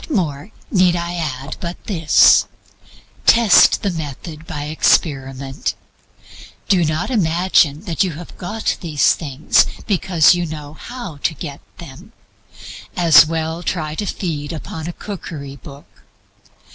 What more need I add but this test the method by experiment. Do not imagine that you have got these things because you know how to get them. As well try to feed upon a cookery book.